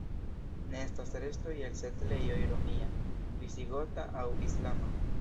Ne estas restoj el setlejoj romia, visigota aŭ islama.